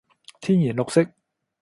天然綠色